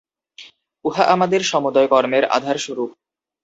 উহা আমাদের সমুদয় কর্মের আধারস্বরূপ।